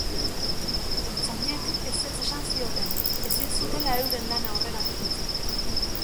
Ertzainek ezetz esan zioten, ezin zutela euren lana horregatik utzi.